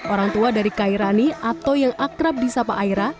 orang tua dari kairani atau yang akrab di sapa aira